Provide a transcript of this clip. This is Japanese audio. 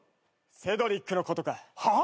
セドリックのことか。はあ！？